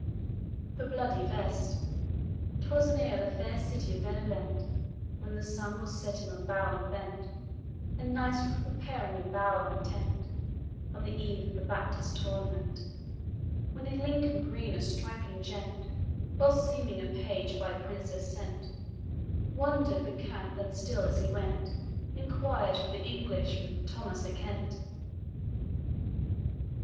THE BLOODY VEST. 'Twas near the fair city of Benevent, When the sun was setting on bough and bent, And knights were preparing in bower and tent, On the eve of the Baptist's tournament; When in Lincoln green a stripling gent, Well seeming a page by a princess sent, Wander'd the camp, and, still as he went, Inquired for the Englishman, Thomas a Kent.